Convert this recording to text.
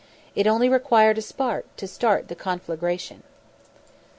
It only required a spark to start the conflagration.